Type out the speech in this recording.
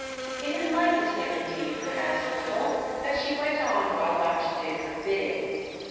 It enlightened him indeed perhaps a little that she went on while Gotch did her bidding.